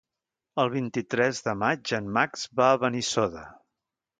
El vint-i-tres de maig en Max va a Benissoda.